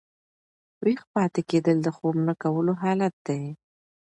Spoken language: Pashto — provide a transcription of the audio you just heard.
ویښ پاته کېدل د خوب نه کولو حالت دئ.